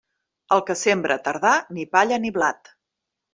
El que sembra tardà, ni palla ni blat.